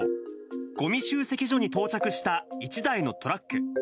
ごみ集積所に到着した１台のトラック。